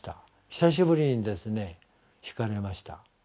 久しぶりにですねひかれました。